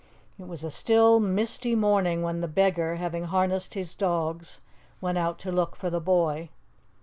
It was a still, misty morning when the beggar, having harnessed his dogs, went out to look for the boy.